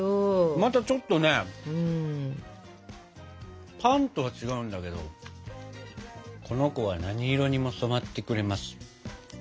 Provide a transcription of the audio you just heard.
またちょっとねパンとは違うんだけどこの子は何色にも染まってくれます。